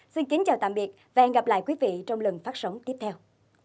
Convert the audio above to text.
xin kính chào tạm biệt và hẹn gặp lại quý vị trong lần phát sóng tiếp theo